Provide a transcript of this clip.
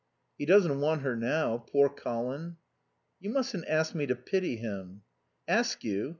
"He doesn't want her now. Poor Colin." "You mustn't ask me to pity him." "Ask you?